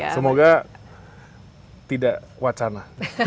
semoga tidak wacana